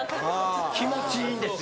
気持ちいいんですよ。